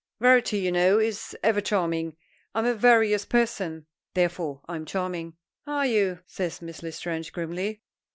"Variety, you know, is ever charming. I'm a various person, therefore I'm charming." "Are you?" says Miss L'Estrange, grimly.